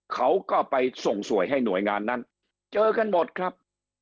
เขาก็ไปส่งสวยให้หน่วยงานนั้นเจอกันหมดครับ